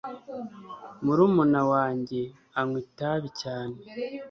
Murumuna wanjye anywa itabi cyane